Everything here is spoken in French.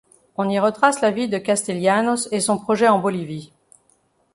On y retrace la vie de Castellanos et son projet en Bolivie.